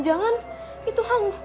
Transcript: jangan jangan itu hantu penunggu hey rawa